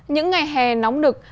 những ngày hè nóng nực